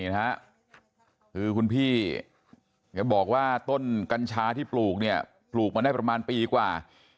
คือคุณพี่แกบอกว่าต้นกัญชาที่ปลูกเนี่ยปลูกมาได้ประมาณปีกว่า